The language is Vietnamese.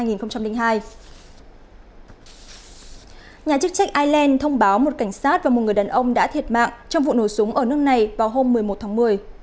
nhà chức trách ireland thông báo một cảnh sát và một người đàn ông đã thiệt mạng trong vụ nổ súng ở nước này vào hôm một mươi một tháng một mươi